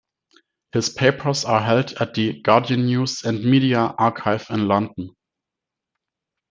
His papers are held at the Guardian News and Media Archive in London.